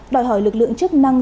đòi hỏi lực lượng chức năng